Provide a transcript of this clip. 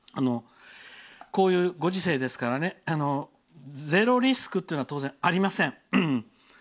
こういうご時世ですからゼロリスクは当然、ありません。